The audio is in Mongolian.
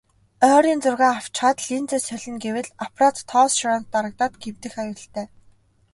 Ойрын зургаа авчхаад линзээ солино гэвэл аппарат тоос шороонд дарагдаад гэмтэх аюултай.